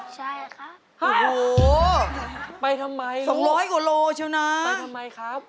ใช่ครับโอ้โฮไปทำไมลูกไปทำไมครับ